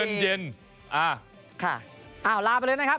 เรียปรับแล้วนะครับ